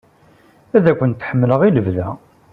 Ad kent-ḥemmleɣ i lebda.